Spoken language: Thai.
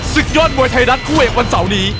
ศึกยอดมวยไทยรัฐคู่เอกวันเสาร์นี้